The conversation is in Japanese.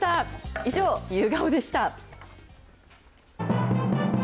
以上、夕顔でした。